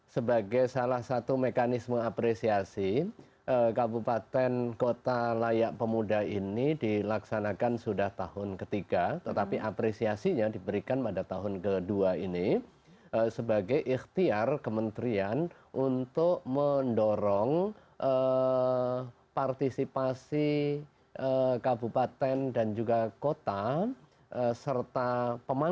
sebagai salah satu mekanisme apresiasi kabupaten kota layak pemuda ini dilaksanakan sudah tahun ketiga tetapi apresiasinya diberikan pada tahun kedua ini sebagai ikhtiar kementerian untuk mendorong partisipasi kabupaten dan juga kota serta pemangku kepemudaan